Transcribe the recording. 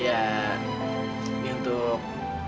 ya ini untuk